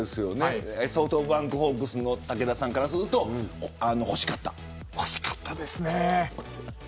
ソフトバンクホークスの武田さんからすると欲しかったですね。